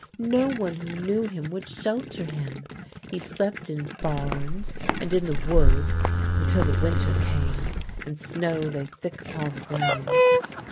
No one who knew him would shelter him. He slept in barns and in the woods until the winter came and snow lay thick upon the ground.